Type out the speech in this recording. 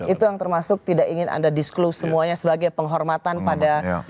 itu yang termasuk tidak ingin anda disclose semuanya sebagai penghormatan pada